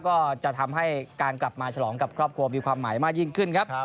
ก็จะทำให้การกลับมาฉลองกับครอบครัวมีความหมายมากยิ่งขึ้นครับ